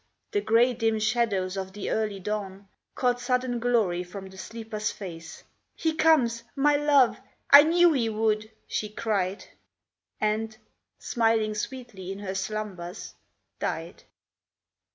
The grey dim shadows of the early dawn Caught sudden glory from the sleeper's face. "He comes! my love! I knew he would!" she cried; And, smiling sweetly in her slumbers, died.